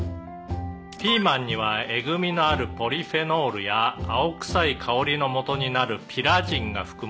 「ピーマンにはえぐみのあるポリフェノールや青臭い香りのもとになるピラジンが含まれています」